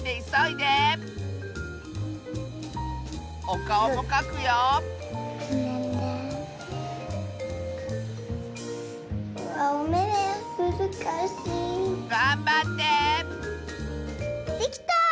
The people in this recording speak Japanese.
できた！